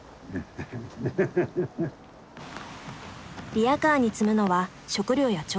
リヤカーに積むのは食料や調理器具。